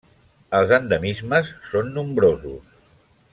Els endemismes són nombrosos.